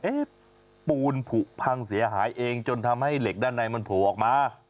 ปูนผูกพังเสียหายเองจนทำให้เหล็กด้านในมันโผล่ออกมา